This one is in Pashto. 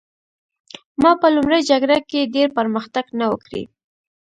ما په لومړۍ جګړه کې ډېر پرمختګ نه و کړی